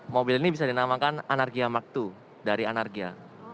mobil ini bisa dinamakan anargya mark ii dari anargya